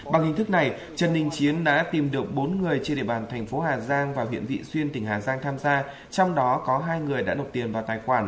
bằng hình thức này trần đình chiến đã tìm được bốn người trên địa bàn thành phố hà giang và huyện vị xuyên tỉnh hà giang tham gia trong đó có hai người đã nộp tiền vào tài khoản